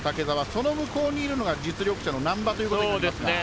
その向こうにいるのが実力者の難波ということになりますか。